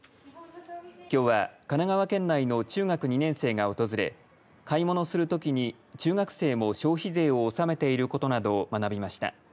きょうは、神奈川県内の中学２年生が訪れ買い物するときに中学生も消費税を納めていることなどを学びました。